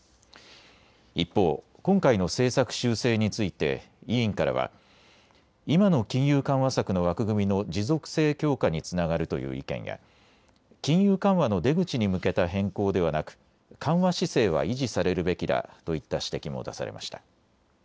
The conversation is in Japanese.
一方、今回の政策修正について委員からは今の金融緩和策の枠組みの持続性強化につながるという意見や金融緩和の出口に向けた変更ではなく緩和姿勢は維持されるべきだといった指摘も出されました。